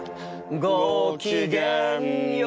「ごきげんよう！」